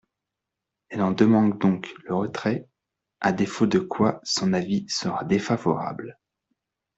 Elle en demande donc le retrait, à défaut de quoi son avis sera défavorable.